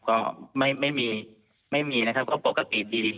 ก็ไม่มีนะครับเขาปกติดี